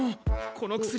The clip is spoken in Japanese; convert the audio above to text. この薬